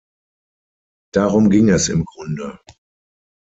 Darum ging es im Grunde.